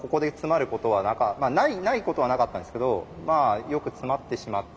まあないことはなかったんですけどまあよく詰まってしまったので。